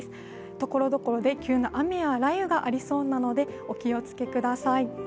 ところどころで急な雨や雷雨がありそうなのでお気をつけください。